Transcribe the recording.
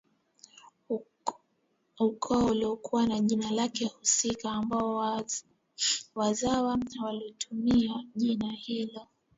ukoo ulikuwa na jina lake husika ambao wazawa walilitumia jina hilo